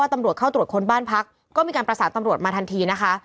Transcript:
ตำรวจเข้าตรวจค้นบ้านพักก็มีการประสานตำรวจมาทันทีนะคะ